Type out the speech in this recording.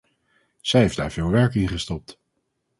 Zij heeft daar veel werk in gestopt.